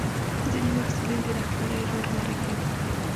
ځینې محصلین د رهبرۍ رول غوره کوي.